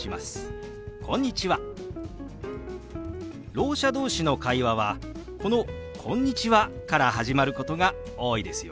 ろう者同士の会話はこの「こんにちは」から始まることが多いですよ。